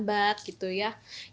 dan juga di negara negara lain